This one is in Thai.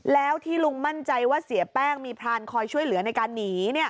แล้วที่ลุงมั่นใจว่าเสียแป้งมีพรานคอยช่วยเหลือในการหนี